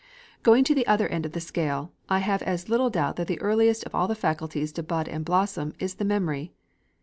Going to the other end of the scale, I have as little doubt that the earliest of all the faculties to bud and blossom, is the Memory.